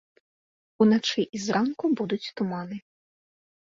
Уначы і зранку будуць туманы.